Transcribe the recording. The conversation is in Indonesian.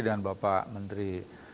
dengan bapak menteri